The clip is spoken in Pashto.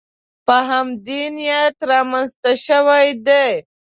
په همدې نیت رامنځته شوې دي